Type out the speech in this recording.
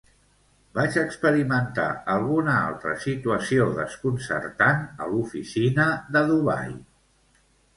Vaig experimentar alguna altra situació desconcertant a l'oficina de Dubai.